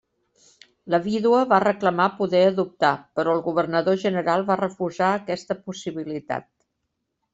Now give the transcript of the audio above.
La vídua va reclamar poder adoptar però el governador general va refusar aquesta possibilitat.